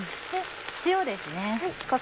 塩ですね。